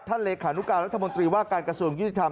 ท่านเหลศนุกาลรัฐมนตรีว่าการกระทรวมยุทธิธรรม